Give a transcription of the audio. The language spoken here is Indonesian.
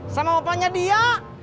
sama opanya dia